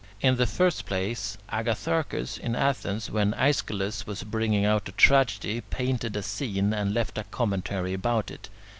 In the first place Agatharcus, in Athens, when Aeschylus was bringing out a tragedy, painted a scene, and left a commentary about it.